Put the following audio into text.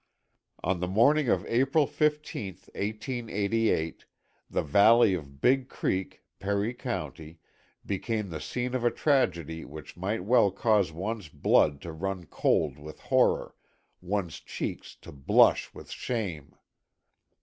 On the morning of April 15th, 1888, the valley of Big Creek, Perry County, became the scene of a tragedy which might well cause one's blood to run cold with horror, one's cheek to blush with shame.